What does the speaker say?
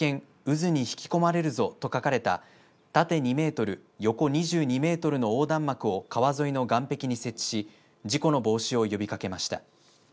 渦に引き込まれるぞ！と書かれた縦２メートル横２２メートルの横断幕を川沿いの岸壁に設置し事故の防止を呼びかけました。